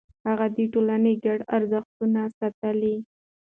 هغه د ټولنې ګډ ارزښتونه ساتل.